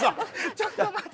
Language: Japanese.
ちょっと待って。